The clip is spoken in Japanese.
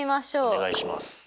お願いします。